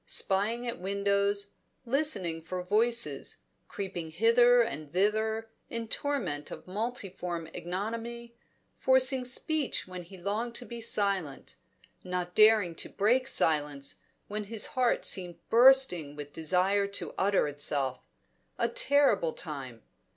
Spying at windows, listening for voices, creeping hither and thither in torment of multiform ignominy, forcing speech when he longed to be silent, not daring to break silence when his heart seemed bursting with desire to utter itself a terrible time.